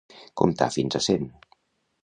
Comptar fins a cent.